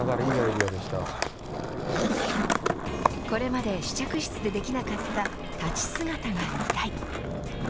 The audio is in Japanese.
これまで試着室でできなかった立ち姿が見たい。